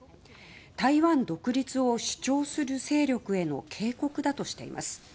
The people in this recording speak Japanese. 台湾独立を主張する勢力への警告だとしています。